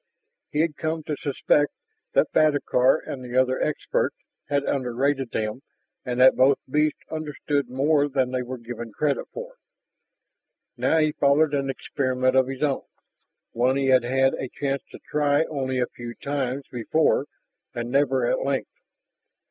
He had come to suspect that Fadakar and the other experts had underrated them and that both beasts understood more than they were given credit for. Now he followed an experiment of his own, one he had had a chance to try only a few times before and never at length.